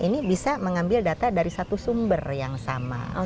ini bisa mengambil data dari satu sumber yang sama